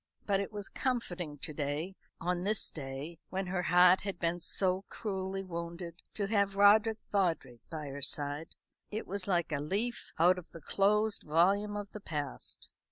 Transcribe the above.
But it was comforting to day on this day when her heart had been so cruelly wounded to have Roderick Vawdrey by her side. It was like a leaf out of the closed volume of the past.